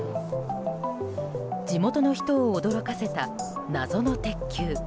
地元の人を驚かせた謎の鉄球。